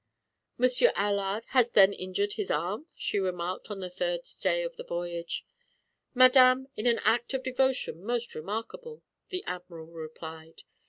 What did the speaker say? "Monsieur Allard has then injured his arm?" she remarked, on the third day of the voyage. "Madame, in an act of devotion most remarkable," the admiral replied.